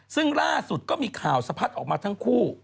ซึ่งล่าสุดก็มีข่าวสะพัดออกมาทั้งคู่